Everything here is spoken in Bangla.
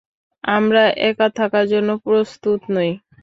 আমরা একা থাকার জন্য প্রস্তুত নই।